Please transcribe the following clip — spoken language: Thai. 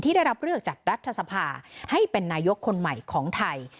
ได้รับเลือกจากรัฐสภาให้เป็นนายกคนใหม่ของไทย